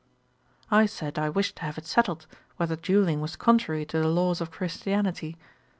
I said, I wished to have it settled, whether duelling was contrary to the laws of Christianity.